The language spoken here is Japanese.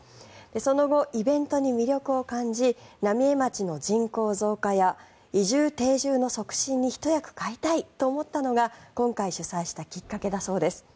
その後、イベントに魅力を感じ浪江町の人口増加や移住・定住の促進にひと役買いたいと思ったのが今回主催したきっかけだそうです。